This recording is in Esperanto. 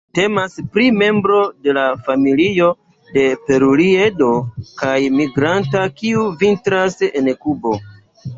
Temas pri membro de la familio de Paruliedoj kaj migranta, kiu vintras en Kubo.